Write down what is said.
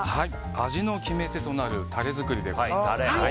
味の決め手となるタレ作りです。